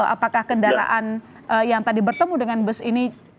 apakah kendaraan yang tadi bertemu dengan bus ini